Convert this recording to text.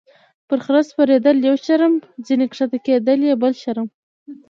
- پر خره سپرېدل یو شرم، ځینې کښته کېدل یې بل شرم.